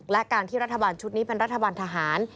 และการที่รัฐบาลชุดนี้เป็นรัฐบาลทหาร